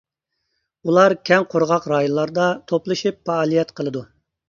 ئۇلار كەڭ قۇرغاق رايونلاردا توپلىشىپ پائالىيەت قىلىدۇ.